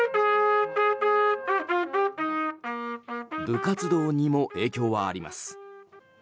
部活動にも影響はあります。